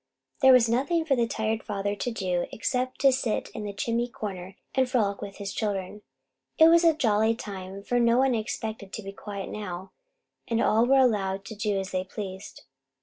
There was nothing for the tired father to do except to sit in the chimney corner and frolic with his children. It was a jolly time, for no one was expected to be quiet now, and all were allowed to do as they pleased.